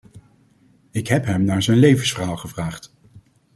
Ik heb hem naar zijn levensverhaal gevraagd.